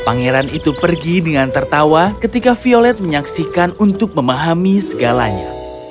pangeran itu pergi dengan tertawa ketika violet menyaksikan untuk memahami segalanya